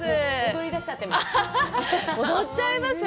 踊りだしちゃってます。